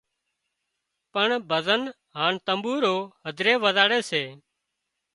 پڻ ڀزن هانَ تمٻورو هڌري وزاڙي سي